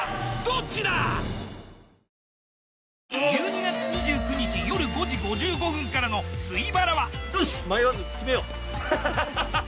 １２月２９日夜５時５５分からの「水バラ」は。